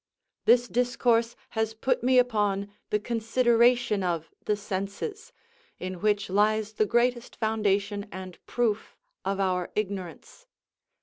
This discourse has put me upon the consideration of the senses, in which lies the greatest foundation and Pro°f of our ignorance.